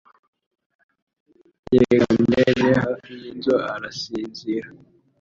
Yegamye rimwe hafi yinzu, arasinzira.